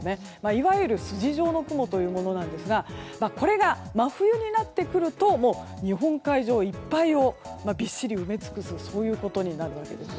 いわゆる筋状の雲というものなんですがこれが真冬になってくると日本海上いっぱいをびっしり埋め尽くすそういうことになるわけです。